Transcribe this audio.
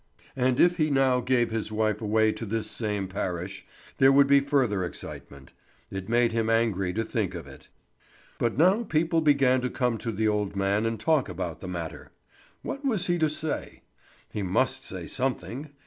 And if he now gave his wife away to this same parish, there would be further excitement; it made him angry to think of it. But now people began to come to the old man and talk about the matter. What was he to say? He must say something.